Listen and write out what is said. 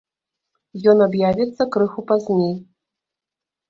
Ён аб'явіцца крыху пазней.